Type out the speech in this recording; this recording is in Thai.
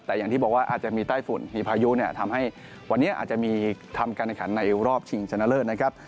แต่อย่างที่บอกว่าอาจจะมีใต้ฝุ่นมีพายุเนี่ยทำให้วันนี้อาจจะมีทำการแข่งขันในรอบชิงชนะเลิศนะครับ